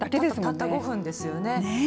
たった５分ですよね。